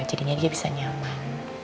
jadinya dia bisa nyaman